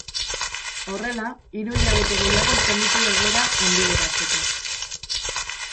Horrela, hiru hilabete gehiago izaten ditu egoera onbideratzeko.